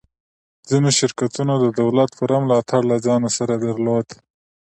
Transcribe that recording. ځینو شرکتونو د دولت پوره ملاتړ له ځان سره درلود